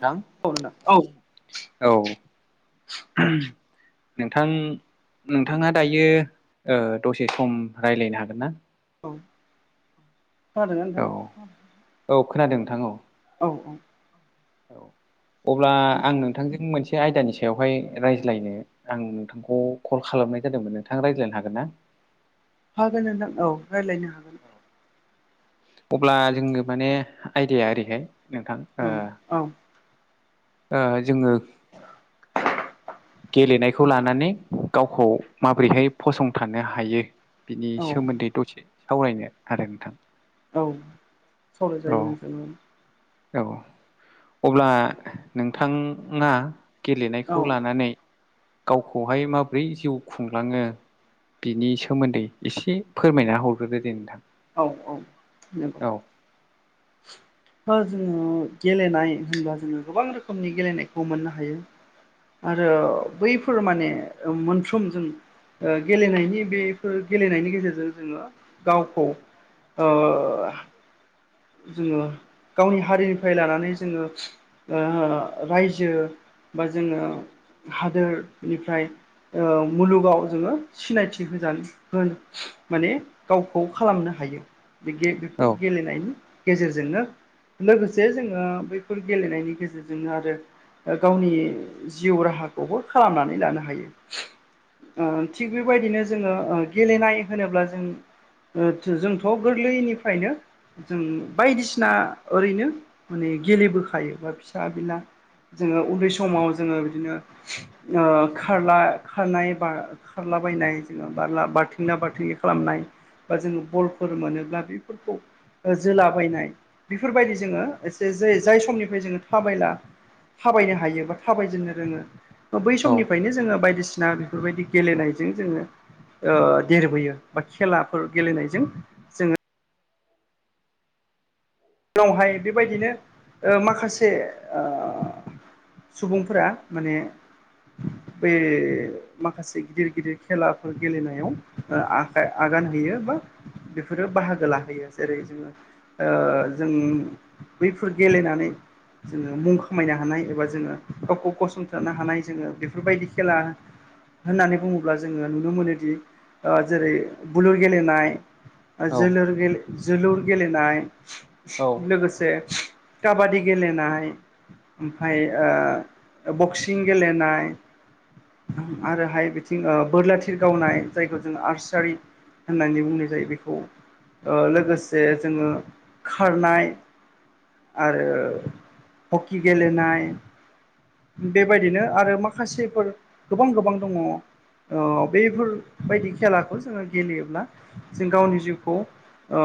थां औ नोंथां। औ औ। नोंथां नोंथाङा दायो ओ दसे सम रायलायनो हागोन ना? औ खोनादोंना नोंथां औ औ खोनादों नोंथां औ औ औ औ अब्ला आं नोंथांजों मोनसे [unintelligible] आयदानि सायावहाय रायज्लायनो आं नोंथांखौ कल खालामनाय जादोंमोन नोंथां रायज्लायनो हागोन ना? हागोन नोंथां औ रायलायनो हागोन अब्ला जोंनो माने आइदाया ओरैहाय नोंथां ओ औ ओ जोङो गेलेनायखौ लानानै गावखौ माबोरैहाय फसंथानो हायो? बिनि औ सोमोन्दै दसे सावरायनो आरो नोंथां औ सावरायजायो नोंथां औ औ अब्ला नोंथाङा औ गेलेनायखौ लानानै गावखौहाय माब्रै जिउ खुंलाङो बिनि सोमोन्दै एसे फोरमायना हरग्रोदो दे नोंथां औ औ नोंगौ औ ओ जोङो गेलेनाय होनबा जोङो गोबां रोखोमनि गेलेनायखौ मोननो हायो। आरो बैफोर माने मोनफ्रोम जों ओ गेलेनायनि बेफोर गेलेनायनि गेजेरजों जोङो गावखौ ओ जोङो गावनि हारिनिफ्राय लानानै जोङो ओ रायजो बा जोङो हादोरनिफ्राय ओ मुलुगाव जोङो सिनायथि होजानो मोन माने गावखौ खालामनो हायो बे औ बेफोर गेलेनायनि गेजेरजोंनो लोगोसे जोङो बैफोर गेलेनायनि गेजेरजोंनो आरो गावनि जिउ राहाखौ हर खालामनानै लानो हायो। ओ थिग बेबायदिनो जोङो ओ गेलेनाय होनोब्ला जों ओ थो जोंथ' गोरलैनिफ्रायनो जों बायदिसिना ओरैनो माने गेलेबोखायो बा फिसा बिला जोङो उन्दै समाव जोङो बिदिनो ओ खारला-खारनाय बा खारलाबायनाय इदिनो बारला बारथिंला बारथिंलि खालामनाय बा जोङो बलफोर मोनोब्ला बैफोरखौ ओ जोलाबायनाय बेफोरबायदि जोङो एसे जै जाय समनिफ्राय जोङो थाबायला थाबायनो हायो बा थाबायजेननो रोङो। ओबै औ समनिफायनो जोङो बायदिसिना बेफोरबायदि गेलेनायजों जोङो ओ देरबोयो बा खेलाफोर औ गेलेनायजों जोङो बेवहाय बेबायदिनो ओ माखासे ओ सुबुंफोरा माने [inaudible] बे माखासे गिदिर गिदिर खेलाफोर गेलेनायाव ओ आखाइ आगान होयो बा बेफोरो बाहागो लाहैयो जेरै जोङो ओ जों बैफोर गेलेनानै जोङो मुं खामायनो हानाय एबा जोङो गावखौ फसंथानो हानाय जोङो बेफोरबायदि खेला होननानै बुङोब्ला जोङो नुनो मोनोदि ओ जेरै बुलुर गेलेनाय औ ओजोलुर गेले जोलुर गेलेनाय औ लोगोसे काबादि गेलेनाय ओमफाय ओ बक्सिं गेलेनाय आं आरोहाय बिथिं ओ बोरला थिर गावनाय जायखौ जों आर्सारि होननानै बुंनाय जायो। बेखौ ओ लोगोसे जोङो खारनाय आरो हकि गेलेनाय बेबायदिनो आरो माखासेफोर गोबां गोबां दङ'। ओ बेफोरबायदि खेलाखौ जोङो गेलेयोब्ला जों गावनि जिउखौ ओ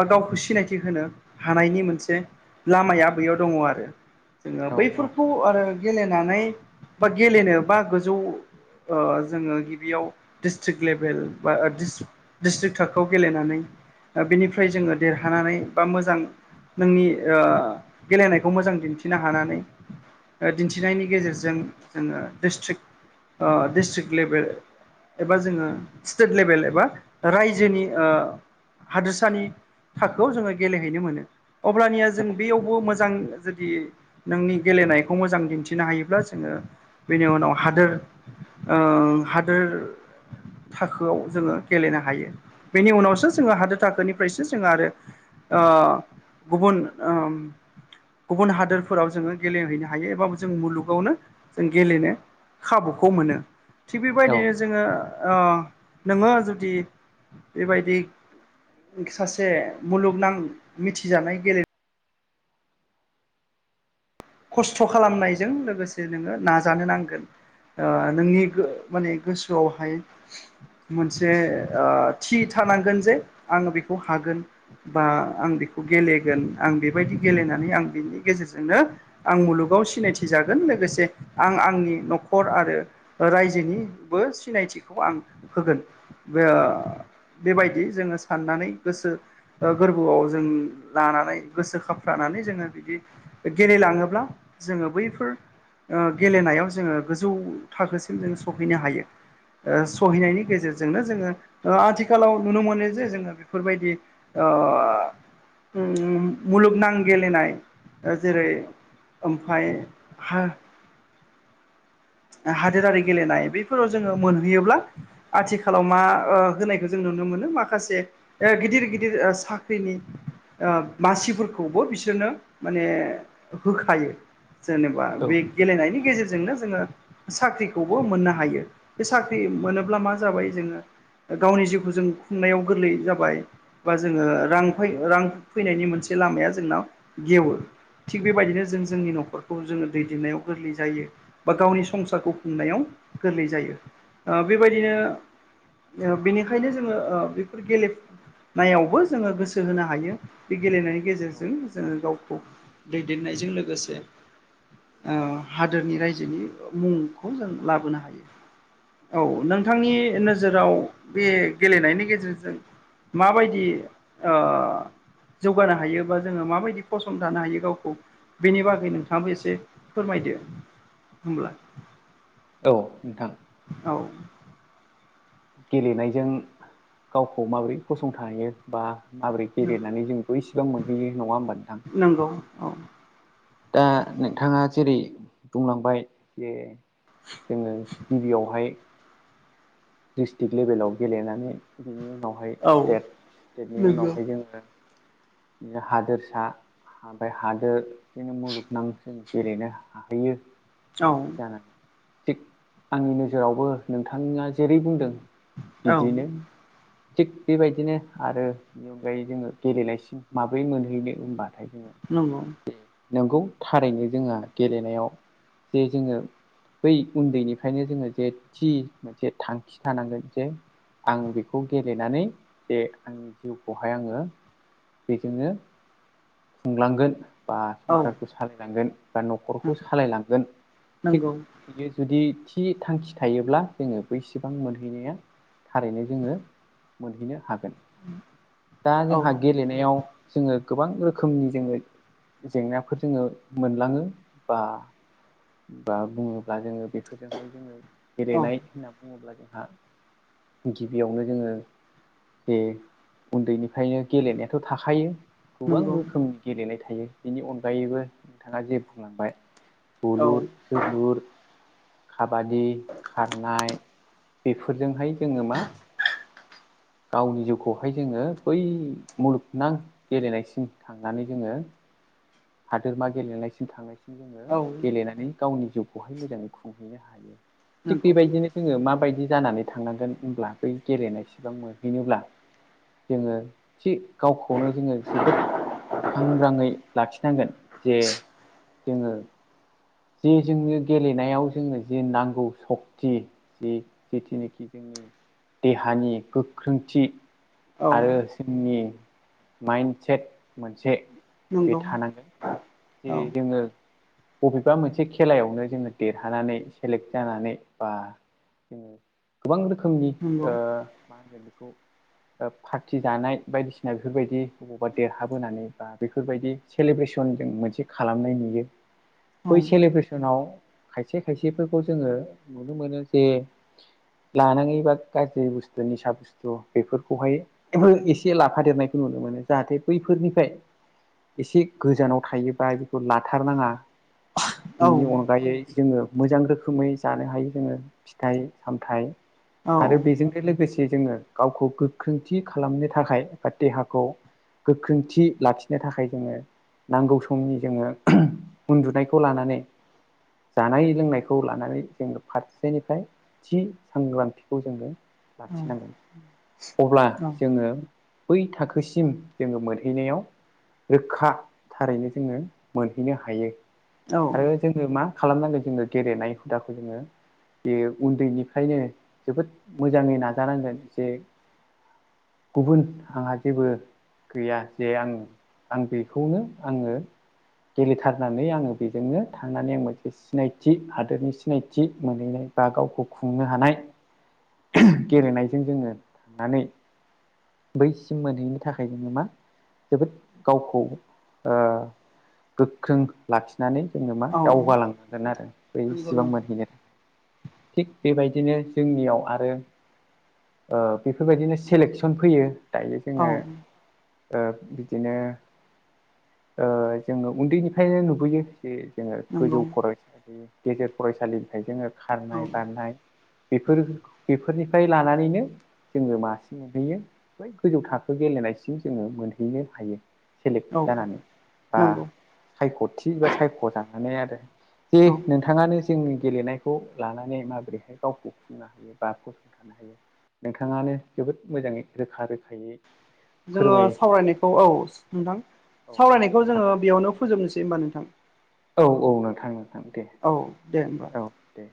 बा गावखौ सिनायथि होनो हानायनि मोनसे लामाया बेैयाव दङ' आरो जोङो औ बैफोरखौ आरो गेलेनानै बा गेलेनो बा गोजौ ओ जोङो गिबियाव डिस्ट्रिक लेभेल बा डिस डिस्ट्रिक थाखोआव गेलेनानै ओ बेनिफ्राय जोङो देरहानानै बा मोजां नोंनि ओ गेलेनायखौ मोजां दिन्थिनो हानानै ओ दिन्थिनायनि गेजेरजों जोङो स्ट्रिक्ट ओ डिस्ट्रिक्ट लेभेल एबा जोङो स्टेट लेभेल एबा रायजोनि ओ हादोरसानि थाखोआव जोङो गेलेहैनो मोनो। अब्लानिया औ जों बेयाव ब' मोजां जुदि नोंनि गेलेनायखौ मोजां दिन्थिनो हायोब्ला जोङो बेनि उनाव हादोर ओ हादोर थाखोआव जोङो गेलेनो हायो। बेनि उनावसो जोङो हादोर थाखोनिफायसो जोङो आरो ओ गुबुन ओम गुबुन हादोरफोराव जोङो गेलेहैनो हायो एबा जों मुलुगावनो जों गेलेनो खाबुखौ मोनो। थिग बेबायदिनो जोङो ओ नोङो जुदि बेबायदि सा से मुलुगनां मिथिजानाय गेले खस्थ' खालामनायजों लोगोसे नोङो नाजानो नांगोन। ओ नोंनि गो माने गोसोआवहाय मोनसे ओ थि थानांगोन जे आं बेखौ हागोन। बा आं बेखौ गेलेगोन आं बेबायदि गेलेनानै आं बिनि गेजेरजोंनो आं मुलुगाव सिनायथि जागोन लोगोसे आं आंनि न'खर आरो रायजोनिबो सिनायथिखौ आं होगोन बो बेबायदि जोङो साननानै गोसो ओ गोरबोआव जों लानानै गोसो खाफ्रानानै जोङो बिदि गेलेलां थाङोब्ला जोङो बैफोर ओ गेलेनायाव जोङो गोजौ थाखोसिम जों सफैनो हायो। ओ सहैनायनि गेजेरजोंनो जोङो ओ आथिखालाव नुनो मोनो जे जोङो बेफोरबायदि [unintelligible] मुलुगनां गेलेनाय जेरै ओमफाय हा हादोरारि गेलेनाय बेफोराव जोङो मोनहैयोब्ला आथिखालाव मा होनायखौ जों नुनो मोनो माखासे ओ गिदिर गिदिर साख्रिनि ओ मासिफोरखौबो बिसोरनो माने होखायो जेनेबा बे गेलेनायनि गेजेरजोंनो जोङो साख्रिखौबो मोननो हायो बे साख्रि मोनोब्ला मा जाबाय जोङो गावनि जिउखौ जों खुंनायाव गोरलै जाबाय बा जोङो रां रां फैनायनि मोनसे लामाया जोंनाव गेवो थिग बेबायदिनो जों जोंनि न'खरखौ जोङो दैदेननायाव गोरलै जायो बा गावनि संसारखौ खुंनायाव गोरलै जायो बेबायदिनो बेनिखायनो जोङो बेफोर गेले नाइआवबो जोङो गोसो होनो हायो बे गेलेनायनि औ गेजेरजों जोङो गावखौ दैदेननायजों लोगोसे हादोरनि रायजोनि मुंखौ जों लाबोनो हायो औ नोंथांनि नोजोराव बे गेलेनायनि गेजेरजों माबायदि जौगानो हायो बा जोङो माबायदि फसंथानो हायो गावखौ बेनि बागै नोंथाङाबो एसे फोरमायदो होनब्लाा औ नोंथां औ गेलेनायजों गावखौ माबोरै फसंथा हायो बा माबोरै गेलेनानै जोंबो इसिबां मोनहैयो नङा होनोमबा नोंथां नंगौ औ दा नोंथाङा जेरै बुंलांबाय जे जोङो गिबियावहाय दिडिस्ट्रिक लेभेलाव गेलेनानै बिनि उनावहाय औ स्टेट स्टेटनि नंगौ उनावहाय जोङो हादोरसा हाबाय हादोर बिदिनो मुलुगनां जों गेलेनो हाहैयो औ जानानै थेग आंनि नोजोरावबो नोंथाङा जेरै बुंदों औ बिदिनो थिग बेबायदिनो आरो नि अनगायै जोङो गेलेलायसिम माब्रै मोनहैनो होनबाथाय जोङो नंगौ नंगौ थारैनो जोंहा गेलेनायाव जे जोङो बै उन्दैनिफ्रायनो जोङो जे थि मोनसे थांखि थानांगोन जे आं बेखौ गेलेनानै जे आंनि जिउखौहाय आङो बेजोंनो खुंलांगोन बा औ संसारखौ सालायलांगोन बा न'खरखौ सालायलांगोन थिग नंगौ बियो जुदि थि थांखि थायोब्ला जोङो बैसेबां मोनहैनाया थारैनो जोङो मोनहैनो हागोन दा औ जोंहा गेलेनायाव जोङो गोबां रोखोमनि जोङो जेंनाफोर जोङो मोनलाङो बा बा बुङोब्ला जोङो बेफोरजोंहाय जोङो औ गेलेनाय होनना बुङोब्ला जोंहा गिबियावनो जोङो जे उन्दैनिफ्रायनो गेलेनायाथ' थाखायो गोबां नंगौ रोखोमनि गेलेनाय थायो बेनि अनगायैबो नोंथाङा जे बुंलांबाय औ बुलुर जोलुर खाबादि खारनाय बेफोरजोंहाय जोङो मा गावनि जिउखौहाय जोङो बै मुलुगनां गेलेनायसिम थांनानै जोङो हादोरमा गेलेनायसिम थांनायसिम जोङो औ गेलेनानै गावनि जिउखौहाय मोजाङै खुंहैनो हायो। थिग नंगौ बेबायदिनो जोङो माबायदि जानानै थांनांगोन होनब्ला बै गेलेनायसिबां मोनहैनोब्ला जोङो थि गावखौनो जोङो जोबोद सांग्राङै लाखि नांगोन जे जोङो जे जोंनो गेलेनायाव जोंङो जे नांगौ सकति जि [unintelligible] देहानि गोख्रोंथि औ आरो जोंनि माइन्डसेट मोनसे बे नंगौ थानांगोन औ जे जोङो एबा मोनसे खेलायावनो जोङो देरहानानै सेलेक्ट जानानै बा जोङो गोबां रोखोमनि नंगौ ओ मा होनगोन बेखौ ओ पार्टि जानाय बायदिसिना बेफोरबायदि बबावबा देरहाबोनानै बा बेफोरबायदि सेलेब्रेसन जों मोनसे खालामनाय नुयो। औ बै सेलेब्रेसनाव खायसे खायसेफोरखौ जोङो नुनो मोनो जे लानाङै बा गाज्रि बुस्थु निसा बुस्थु बेफोरखौहाय एसे लाफादेरनायखौ नुनो मोनो जाहाथे बैफोरनिफ्राय एसे गोजानाव थायोबा बेखौ लाथारनाङा। औ बिनि अनगायै जोङो मोजां रोखोमै जानो हायो जोङो फिथाइ सामथाइ औ आरो बेजोंनो लोगोसे जोङो गावखौ गोख्रोंथि खालामनो थाखाय बा देहाखौ गोख्रोंथि लाखिनो थाखाय जोङो नांगौ समनि जोङो उन्दुनायखौ खौ लानानै जानाय लोंनायखौ लानानै जों फारसेनिफ्राय थि सांग्रांथिखौ जोङो लाखिनांगोन। अब्ला जोङो बै थाखोसिम जोङो मोनहैनायाव रोखा थारैनो जोङो मोनहैनो हायो। औ आरो जोङो मा खालामनांगोन जोङो गेलेनाय हुदाखौ जोङो बे उन्दैनिफ्रायनो जोबोद मोजाङै नाजानांगोन जे गुबुन आंहा जेबो गैया जे आं आं बेखौनो आङो गेलेथारनानै आङो बेजोंनो थांनानै आं मोनसे सिनायथि हादोरनि सिनायथि मोनहैनाय बा गावखौ खुंनो हानाय गेलेनायजों जोङो थांनानै बैसिम मोनहैनो थाखाय जोङो मा जोबोद गावखौ ओ गोख्रों लाखिनानै जोङो मा औ दावगालांनांगोन आरो बै नंगौ सिबां मोनहैनो। थिग बेबायदिनो जोंनियाव आरो ओ बेफोरबायदिनो सेलेक्सन फैयो दायो जोङो ओ बिदिनो ओ जोङो उन्दैनिफ्रायनो नुबोयो जे जोङो नंगौ गोजौ फरायसालि गेजेर फरायसालिनिफ्राय जोङो औ खारनाय नंगौ बारनाय बेफोर बेफोरनिफ्राय लानानैनो जोङो मासि मोनहैयो बै गोजौ थाखो गेलेनायसिम जोङो मोनहैनो हायो। औ सेलेक्ट जानानै बा नंगौ सायख'थि बा सायख' जानानै आरो। औ [unintelligible] बिथाङानो जोंनि गेलेनायखौ लानानै माबोरैहाय गावखौ खुंनो हायो बा फसंथानो हायो। नोंथाङानो जोबोद मोजाङै रोखा रोखायै जोङो सावरायनायखौ फोरमायलांखाबाय औ नोंथां औ सावरायनायखौ नोंथां जोङो बेयावनो फोजोबनोसै होमबा नोंथां? औ औ नोंथां नोंथां दे औ दे होमबा औ दे।